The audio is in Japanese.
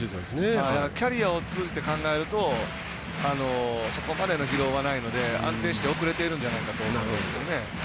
キャリアを通じて考えるとそこまでの疲労はないので安定して送れているんじゃないかと思います。